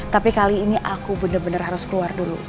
tapi kali ini aku bener bener harus keluar dulu